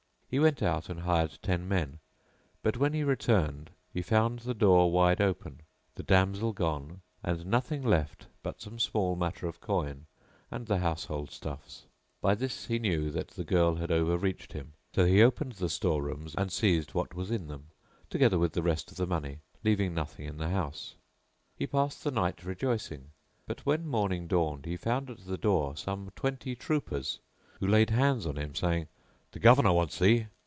He went out and hired ten men, but when he returned he found the door wide open, the damsel gone and nothing left but some small matter of coin and the household stuffs.[FN#680] By this he knew that the girl had overreached him; so he opened the store rooms and seized what was in them, together with the rest of the money, leaving nothing in the house. He passed the night rejoicing, but when morning dawned he found at the door some twenty troopers who laid hands on him saying, "The Governor wants thee!"